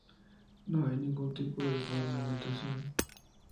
No hay ningún tipo de ornamentación.